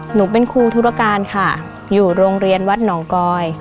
หนูเป็นครูธุรการค่ะอยู่โรงเรียนวัดหนองกอย